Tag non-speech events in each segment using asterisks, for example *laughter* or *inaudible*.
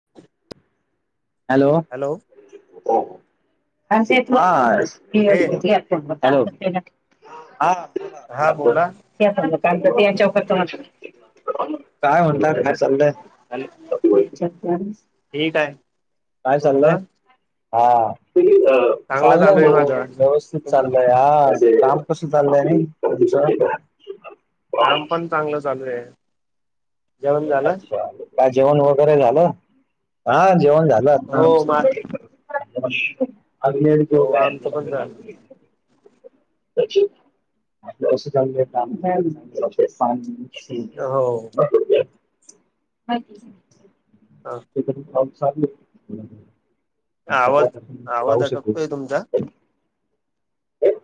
*inaudible* Hello hello *unintelligible* hello कुठे हा बोला बोला काय म्हणता. काय चाललय. हॅलो ठीक आहे. काय चाललंय तुमचं हा चांगलं चाललंय चालू आहे व्यवस माझं व्यवस्थित चाललंय. काय आवाजे काम कसं चाललंय आणि दुसरं काम पण चांगलं चालूये. अच्छा काय जेवण वगैरे झालं हा जेवण झालं. झालं हो मा आता अभी अभी हो जेवलाय. आमचं पण झालं कसं चाललंय काम काम? हो पाठवून द्या. हा. तेथे पाऊस चालूय. आवाज आवाज अटकतोय तुमचा?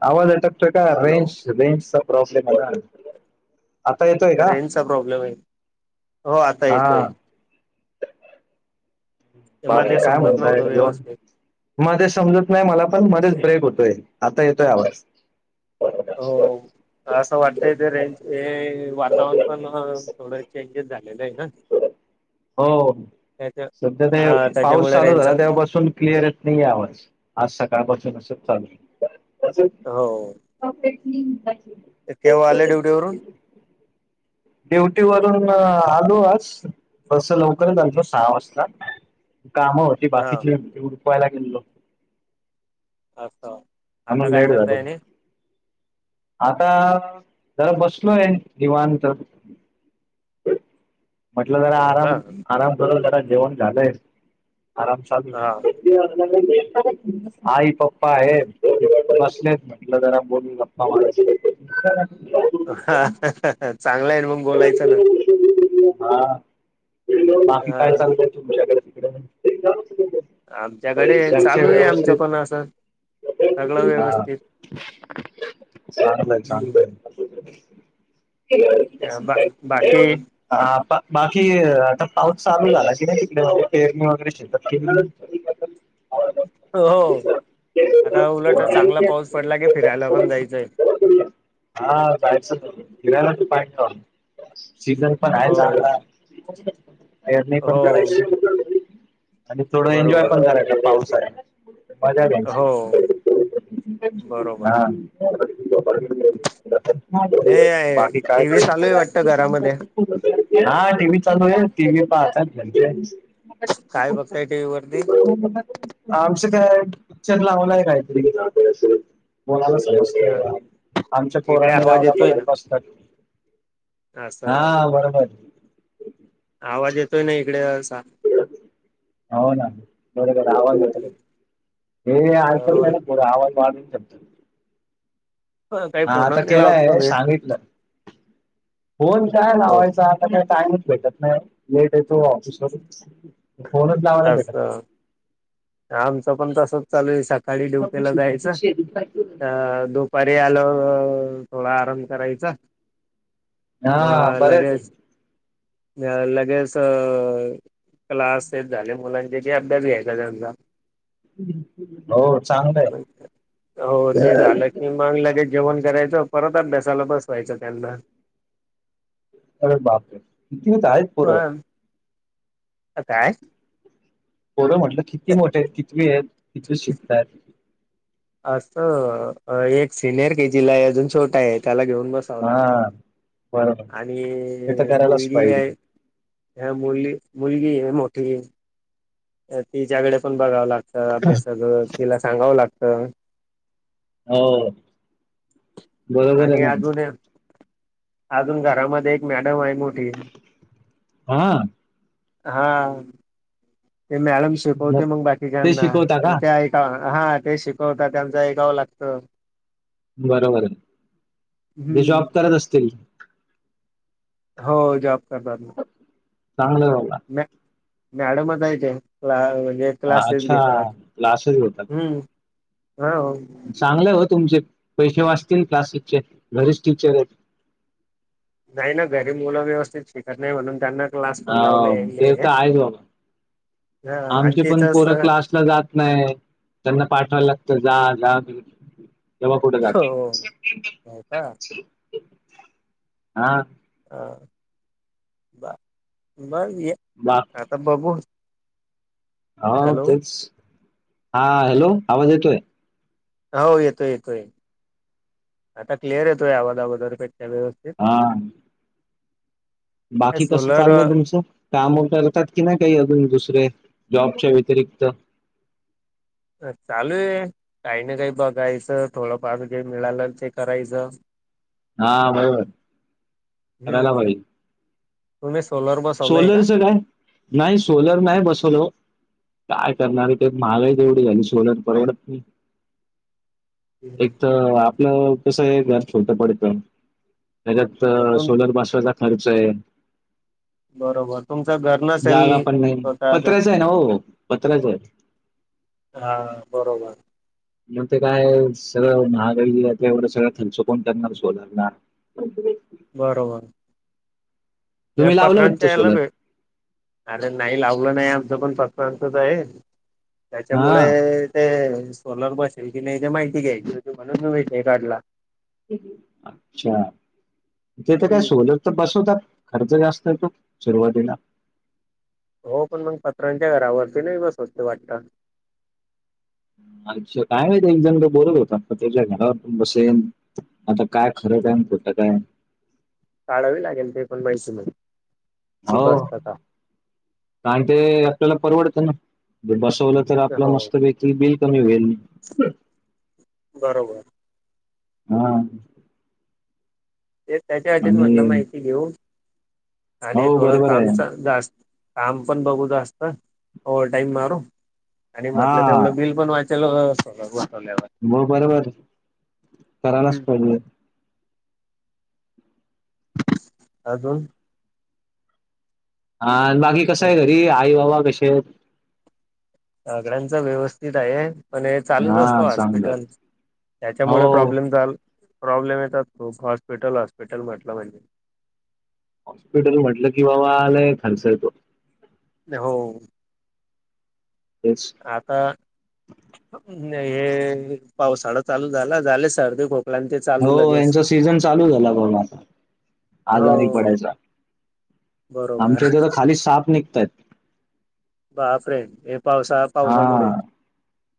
आवाज अटक तो का हॅलो रेंज रेंजचा प्रॉब्लेम आहे. आता येतोय का तर रेंनजचा प्रॉब्लेम आहे हो आता हा येतोय. तेव्हा बाकी ते कायम समजत म्हणताय. नव्हतं व्यवस्थित मध्ये समजत नाही मला पण मध्येच ब्रेक होतोय आता येतोय आवाज हो असं वाटतंय ते रेंज हे वातावरण पण थोडं चेंजेस झालेलं आहे ना. हो त्याच्या सध्या हा ते पाऊस त्याच्यामुळे चालू झाला रेंजचा तेव्हापासून क्लिअर नाही आवाज आज सकाळ पाासून असं चालू. हो. परफेक्टली. केव्हा आले ड्युटी वरून ड्युटी वरून आलो आज तस लवकरच आलो सहा वाजता. कामं होती हा बाकीची ती उरकला गेलेलो. अच्छा. म्हणून लेट झाल. आता जरा बसलोय निवांत. *unintelligible* म्हटलं जरा हो का आराम आराम करून जरा जेवण झालंय आराम चालू हा आहे. आई पप्पा हो आहेत. बसलेत म्हटलं जरा बोलू गप्पा मारू. ह चांगलं आहे मग बोलायचं ना. हा बाकी हा काय चालत तू माझ्याकडे तिकडे. आमच्याकडे घरचे चालू आहे आमचं व्यवस्थित पण असं. सगळं हा ां व्यवस्थित आहे चांगल चागलं हम्म आहे. बा बाकी *unintelligible* ह बाकी आता पाऊस चालू झाला की नाही तिकडे पेरणी वगैरे शेतात के. हो आता उलट चांगला पाऊस पडला की फिरायला पण जायचंय. ना? हा जायचं फिरायला तर पाहिजे सीजन पण आहे हो चांगला. पेरनी पण हो करायची आणि थोडं एन्जॉय बरोबर पण करायच. पाऊस आहे हो मज्जा. बरोबर. हे बाकी काय? टी हा व्ही चालू आहे वाटतं घरामध्ये टी व्ही चालू आहे टी व्ही पाहतात. काय बघताय टी व्ही वरती हो. आमचं काय पिक्चर लावलंय काहीतरी ला आमच्या इकडे पोरांनी आवाज लावला येतोय बघत बसतात. ना हा असं बरोबर. आवाज येतोय ना इकडे. हो ना बर बर आवाज हे. बरोबर रा आवाल बाद आणि जचेपतात *unintelligible* आहे. काही हा आता फोनच नाही लावत केलाय तुम्ही सांगितलं *unintelligible* फोन काय हो लावायचा आता काय टाइमच भेटत नाही लेट येतो ऑफिसवरून अस आमचं पण तस चालू सकाळी ड्युटीला जायचं दो पररी आलो थोडा आराम करायचा *unintelligible* म हा बरं आहे लगेच ते लगेज क्लास तेच मुलांचे अभ्यास घ्यायचा त्यांचा *unintelligible* हो चांगलं आहे हो ते झालंी मग. लगेच जेवण करायचं परत. अभ्यासाला बसवायचं त्यांना अगर बाप कर कती होता आहे *unintelligible* हा काय *unintelligible* पोरम्हटलं किती मोठे आहेत कितवी आहेत कितवी शिकत आहेत अस एक सिनियर के जी ला अजून छोटा आहे त्याला घेऊन बसत *unintelligible* लात हा बरोबर ते तर आणि करायलाच मुलगी पाहिजे आहे हा मुलग मुलगी आहे मोठी तिच्याकडे पण बघावं लागतं अभ्यासाच तिला सांगावं लागतं हो बरोबर आणि आहे ना अजून अजून घरामध्ये एक मॅडम आहे म्ह हा हा ते मॅडम शिकवते मग ते बाकीच्याना शिकवता म्हण का ते *unintelligible* हा ते शिकवतात त्यांचा ऐकाव लागतं *unintelligible* बरोबर आहे ते जॉब हम्म करत असतील हो जॉब करतात न *unintelligible* चांगलं होला *unintelligible* म मॅडम जायचे म्हणजे *unintelligible* क्लासेस अच्छा घेतात् क्लासेस घेतात हा चांगलं हो तुमचे पैसे वाचतील क्लासेसचे घरेच टीचर आहेत नाही ना घरी मुलं व्यवस्थित शिकत नाही म्हणून त्यांना *unintelligible* अ लावले ते तर आहेच बाबा आणि आमचे पण तिथंच पोर क्लास जात नाही त्यांना पाठवाला लागतं जा जा तेव्हा कुठे हो जात हो का हा हां ब ब बार *unintelligible* हता बबू *unintelligible* हो तेच हा हॅलो आवाज येतोय हो येतोय येतोय आता क्लिअर येतोय आवाद अगदरपेक्षा व्यवस्था एक हा *unintelligible* बाकी कसं सोलर चाललंय तुमचं *unintelligible* काम करतात की ना काही अजून दुसरे जॉबच्या व्यतिरिक्त चालू आहे काही ना काही बघायचं थोडं पाार जे मिळालं ते करायचं *unintelligible* हा बराबर करायला पाहिजे *unintelligible* तु्ही सोलर ब *unintelligible* सोलरचं काय नाही सोलर नाही बसव काय करणार आहे ते महागाई एवढी झाली सोलर परवडत नाही *inaudible* *unintelligible* एक तर आपलं कसं आहे घर छोडटं पडेत त्याच्यात तुमच सोलर बसवाचा खर्च आहे *unintelligible* बरोबर तुमच घर *unintelligible* जागा पण नाही स्वतःचा पत्र्याच आहे ना हो पत्र्याच आहे. हा, बरोबर. ते काय सगळं महगाई एवढ सगळं खर्च कोण करणार, सोलारला बरोबर ह्या तुम्ही लावलं वाटतं पत्रांच्या हेला सोलर भे अरे नाही लावलं नाही, आमचं पण पत्रांचच आहे, हा त्याच्यामुळे ते सोलर बसेल की नाही ते माहिती घ्यायची होती, म्हणून मी विषय काढला. अच्छा! *unintelligible* काय हम्म. सोल- तर बसवतात, खर्च जास्त येतो सुरुवातीला हो, पण मग पत्रांच्या घरावरती नाही बसवत वाटत? अच्छा! काय माहित एक *unintelligible* बोलत होता, पत्र्याच्या घरावर पण बसवेन आता काय खरं का आहे ना खोटं काय? काढावी लागेल ते पण माहिती ते हो, बसतं का? कारण ते आपल्याला परवडत ना, बसवलं- तर आपलं हो मस्त पैकी बिल कमी होईल. बरोबर. हा. ते त्याच्यासाठीच आणि म्हटलं माहिती घेऊ, आणि हो थोडं बरोबर आहे. कामचा जास्त- काम पण बघू जास्त, ओवर टाईम मारू, आणि म्हटलं हा तेवढं बिल- पण वाचेल सोलर बसवल्यावर. हो, बरोबर करायालाच हम्म. पाहिजे. अजून हा, बाकी कसं आहे घरी? आई बाबा कसे आहेत? सगळ्यांचं व्यवस्थित आहे. पण हे चालूच हा असत चांगलं आहे. हॉस्पिटल, त्याच्यामुळे हो प्रॉब्लेम चालू प्रॉब्लेम येतात, खुप हॉस्पिटल हॉस्पिटल म्हटलं म्हणजे. हॉस्पिटल म्हटलं की बाबा, लाय खर्च यतो. हो. तेच आता हे पावसाळा चालू झाला, झाले सर्दी खूप हो, यांचा सीझन चालू झाला भावू ना आता, हो आजारी पडायचा. बरोबर आमच्या इथे तर खाली साप निघतायत. बापरे हे पावसा- पावसामुळे हा,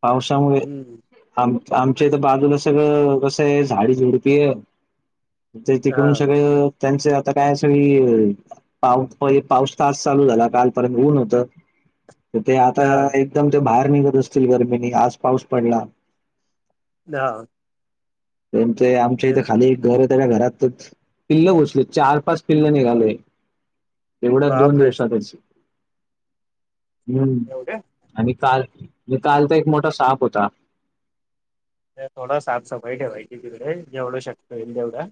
पावसामुळे हम्म आम आमच्या इथ बाजूला सगळं कसं आहे, झाडी झुडपी आहे. ते हा तिकडून सगळ, त्यांच आता काय सगळी पाऊस पाऊस तास चालू झाला, कालपर्यंत ऊन होतं. तर ते आता हा एकदम ते बाहेर निघत असतील गर्मीनी, आज पाऊस पडला. हा. त्यां आमच्या हे इथे खाली घर ये, त्याच्या घरातच, पिल्ल घुसली, चार पाच पिल्ल निघालय‌. एवढ्या दोन बापरे दिवसातच, हम्म! होय काय? आणि काल, काल तर एक मोठा साप होता. थोडा साफ सफाई ठेवायची तिकडे, जेवढ शक्य होईल तेवढं.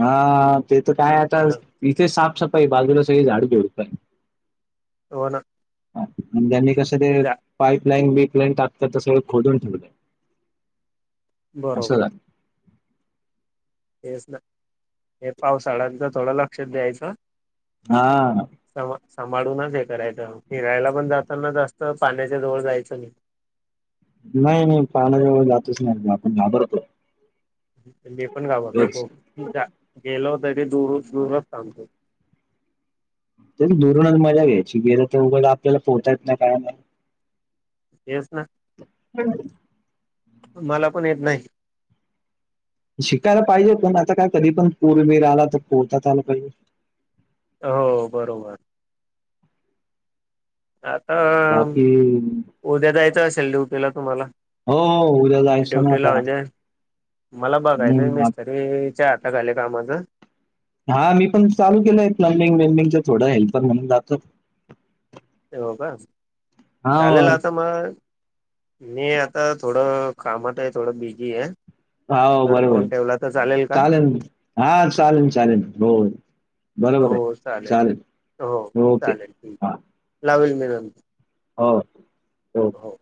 हा, ते तर काय आता, इथे साफ सफाई बाजूला सगळी झाड झुडप आहेत. हो ना हा, म्हणजे आम्ही कस ते पाईप लाईन, बीप लाईन टाकताना, ते सगळं खोदून ठेवलंय. असं बरोबर. झालं. तेच ना, हे पावसाळ्यांचं थोडं लक्षात द्यायचं. हा. स सभाळूनच हे करायचं, फीरायला पण जाताना, जास्त पाण्याच्या जवळ जायचं नाही. नाही नाही पाहण्याजवळ जातच नाही आपण घाबरतो. मी पण घाबरतो तेच. खुप गेलो तरी दूर दूरच थांबतो. तर दुरून मजा घ्यायची गेलं तर उघड आपल्याला पोहतायेत ना काय नाही. येस ना. हम् *unintelligible* मला पण येत नाही. शिकायला पाहिजे पण आता काय कधी पण पुर बिर आला तर कोर्तात आलं पाहिजे. हो बरोबर. आता बाकी उद्या जायचं असेल ड्युटीला तुम्हाला हो हो उद्या जायचं ना ड्युटी ला त्या म्हणजे मला बघायचं हम्म मिसत. हे हेच हात घ आले कामाचं. हा मी पण चाल केलंय प्लं्बिंग वेम्बिंग थोड हेल्पर म्हणून जातो. तेव का हा चालेल आता मग म आता थोडं कामात आहे थोडं बिझी आहे. हो तर बरोबर फोन ठेवला तर का चालेल हा चालेल चालेल हो. बरोबर आहे हो चालेल हो चालेल ओके चालेल ठीक आहे. ह. लावेल मी नंतर होय हो. हो.